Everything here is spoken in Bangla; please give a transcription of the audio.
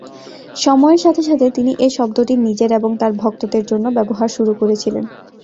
সময়ের সাথে সাথে তিনি এই শব্দটি নিজের এবং তার ভক্তদের জন্য ব্যবহার শুরু করেছিলেন।